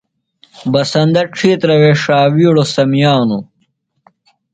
بسندہ ڇِھترہ وے ݜاوِیڑوۡ سمِیانوۡ۔